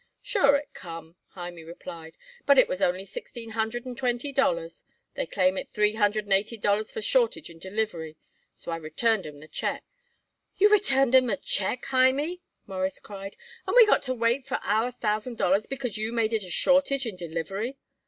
"Sure it come," Hymie replied, "but it was only sixteen hundred and twenty dollars. They claim it three hundred and eighty dollars for shortage in delivery, so I returned 'em the check." "You returned 'em the check, Hymie?" Morris cried. "And we got to wait for our thousand dollars because you made it a shortage in delivery."